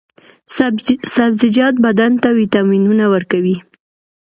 سبزیجات بدن ته ویټامینونه ورکوي.